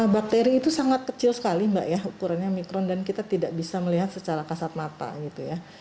bakteri itu sangat kecil sekali mbak ya ukurannya mikron dan kita tidak bisa melihat secara kasat mata gitu ya